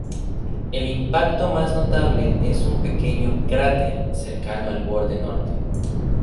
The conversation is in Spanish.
El impacto más notable es un pequeño cráter cercano al borde norte.